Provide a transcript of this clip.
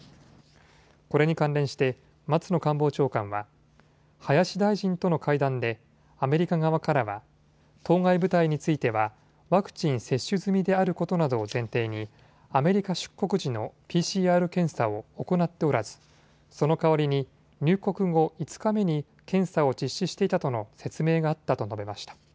これに関連して松野官房長官は林大臣との会談でアメリカ側からは当該部隊についてはワクチン接種済みであることなどを前提にアメリカ出国時のＰＣＲ検査を行っておらずその代わりに入国後、５日目に検査を実施していたとの説明があったと述べました。